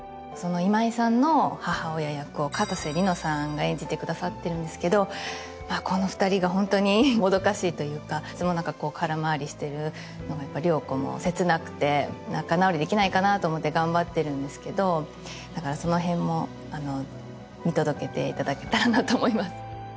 その今井さんの母親役をかたせ梨乃さんが演じてくださってるんですけどこの２人がホントにもどかしいというかいつもなんかこうから回りしてるのが遼子も切なくて仲直りできないかなと思って頑張ってるんですけどだからそのへんも見届けていただけたらなと思います。